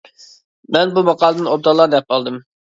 مەن بۇ ماقالىدىن ئوبدانلا نەپ ئالدىم.